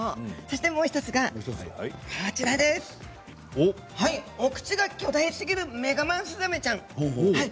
もう１つがお口が巨大すぎるメガマウスザメちゃん。